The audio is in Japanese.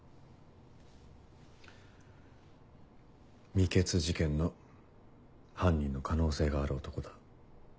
未決事件の犯人の可能性がある男だ。